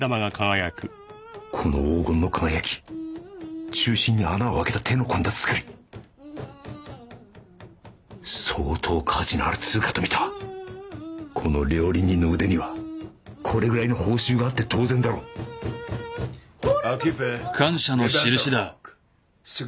この黄金の輝き中心に穴をあけた手の込んだ造り相当価値のある通貨と見たこの料理人の腕にはこれぐらいの報酬があって当然だろうあんさん